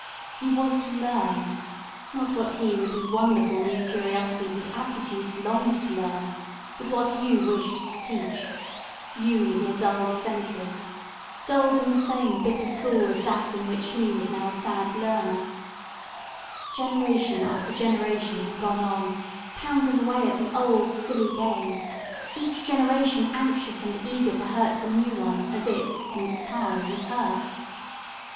He was to learn, not what he with his wonderful new curiosities and aptitudes longed to learn, but what you wished to teach; you with your dulled senses dulled in the same bitter school as that in which he was now a sad learner. [Illustration: NOT MUCH HIGHER THAN THE TABLE.] Generation after generation has gone on, pounding away at the old silly game, each generation anxious and eager to hurt the new one as it, in its time, was hurt.